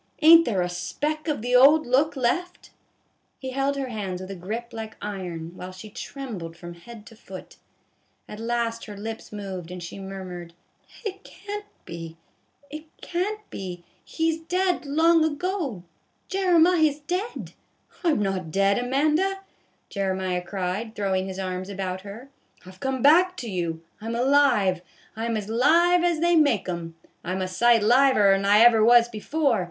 Ain't there a speck of the old look left ?" He held her hands with a grip like iron, while she trembled from head to foot. At last her lips moved, and she murmured :" It can't be, it can't be ; he 's dead long ago, Jeremiah's dead." " I 'm not dead, Amanda," Jeremiah cried, throw ing his arms about her, " I 've come back to you. I 'm alive, I 'm as live as they make 'um, I 'm a sight liver 'n I ever was before.